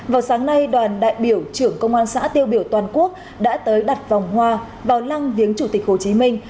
vào sáng nay đoàn đại biểu trưởng công an xã tiêu biểu toàn quốc đã tới đặt vòng hoa vào lăng viếng chủ tịch hồ chí minh